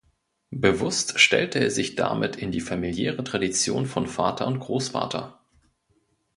Bewusst stellte er sich damit in die familiäre Tradition von Vater und Großvater.